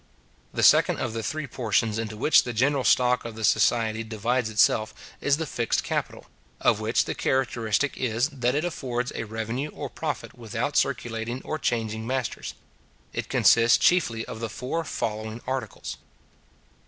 The second of the three portions into which the general stock of the society divides itself, is the fixed capital; of which the characteristic is, that it affords a revenue or profit without circulating or changing masters. It consists chiefly of the four following articles.